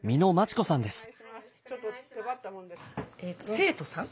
生徒さん？